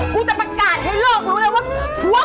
กูจะประกาศให้โลกรู้เลยว่า